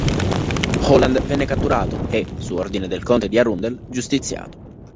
Holland venne catturato e, su ordine del conte di Arundel, giustiziato.